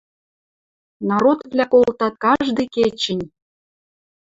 Народвлӓ колтат каждый кечӹнь.